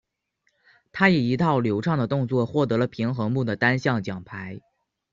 她以一套流畅的动作获得了平衡木的单项金牌。